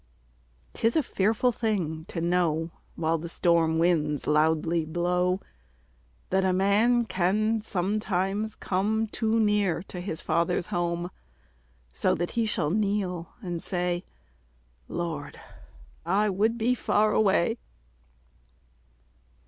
'Tis a fearful thing to know, While the storm winds loudly blow, That a man can sometimes come Too near to his father's home; So that he shall kneel and say, "Lord, I would be far away!"